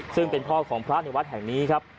ซึ่งเป็นพ่อของพระในวัดแห่งนี้ครับ